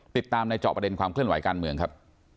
ติดตามในเจาะประเด็นความเคลื่อนไหวการเมืองครับ